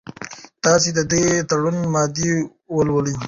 تاسي د دې تړون مادې ولولئ.